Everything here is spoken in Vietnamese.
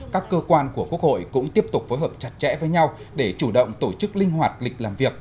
các cơ quan của quốc hội cũng tiếp tục phối hợp chặt chẽ với nhau để chủ động tổ chức linh hoạt lịch làm việc